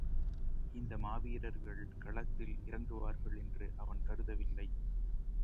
இந்த மாவீரர்கள் களத்தில் இறங்கு வார்கள் என்று அவன் கருதவில்லை.